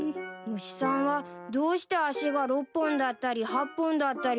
虫さんはどうして足が６本だったり８本だったりするんですか？